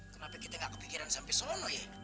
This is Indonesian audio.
kenapa kita nggak kepikiran sampai sana ya